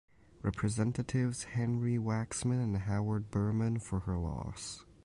Representatives Henry Waxman and Howard Berman for her loss.